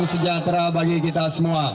sejahtera bagi kita semua